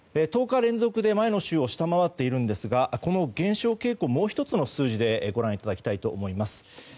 １０日連続で前の週を下回っていますがこの減少傾向をもう１つの数字でご覧いただきたいと思います。